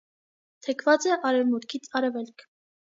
Թեքված է արևմուտքից արևելք։